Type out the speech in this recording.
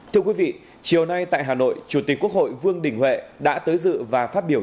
thưa quý vị chiều nay tại hà nội chủ tịch quốc hội vương đình huệ đã tới dự và phát biểu